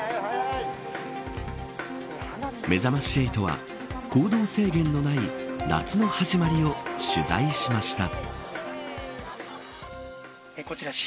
めざまし８は、行動制限のない夏の始まりを取材しました。